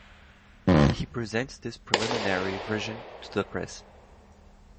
He presents this preliminary version to the press.